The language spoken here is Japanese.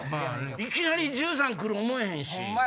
いきなり１３来る思えへんし。